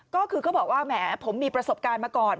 ก็คือก็บอกว่าแหมผมมีประสบการณ์มาก่อน